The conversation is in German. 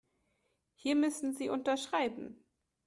Hier müssen Sie unterschreiben.